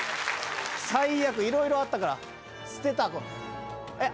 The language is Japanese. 最悪色々あったから捨てたえっ